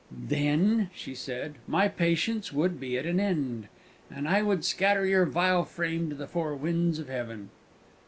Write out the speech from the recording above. "Then," she said, "my patience would be at an end, and I would scatter your vile frame to the four winds of heaven!"